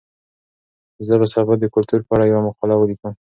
زه به سبا د کلتور په اړه یوه مقاله ولیکم.